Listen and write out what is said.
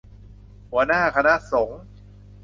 หัวหน้าคณะสงฆ์